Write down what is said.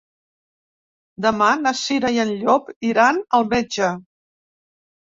Demà na Cira i en Llop iran al metge.